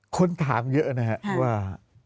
คนถามเยอะนะครับว่า